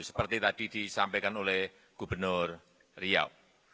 seperti tadi disampaikan oleh gubernur riau